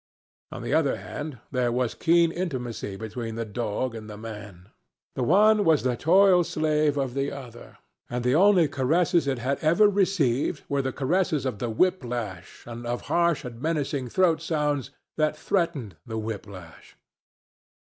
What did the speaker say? On the other hand, there was keen intimacy between the dog and the man. The one was the toil slave of the other, and the only caresses it had ever received were the caresses of the whip lash and of harsh and menacing throat sounds that threatened the whip lash.